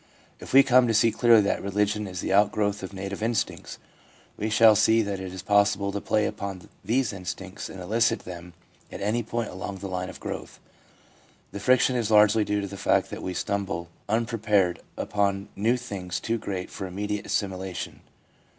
If we come to see clearly that religion is the outgrowth of native instincts, we shall see that it is possible to play upon these instincts and elicit them at any point along the line of growth. The friction is largely due to the fact that we stumble unprepared upon new things too great for immediate assimilation.